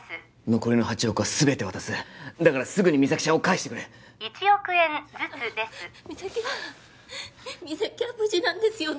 残りの８億は全て渡すだからすぐに実咲ちゃんを返してくれ１億円ずつです実咲は実咲は無事なんですよね？